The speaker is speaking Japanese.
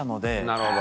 なるほど。